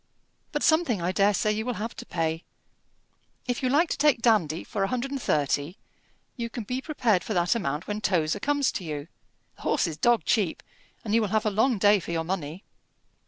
But something I dare say you will have to pay: if you like to take Dandy for a hundred and thirty, you can be prepared for that amount when Tozer comes to you. The horse is dog cheap, and you will have a long day for your money."